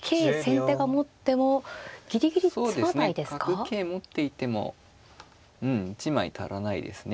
角桂持っていてもうん１枚足らないですね。